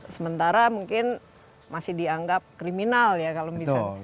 sementara mungkin masih dianggap kriminal ya kalau bisa